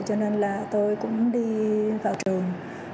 cho nên là tôi cũng đi vào trường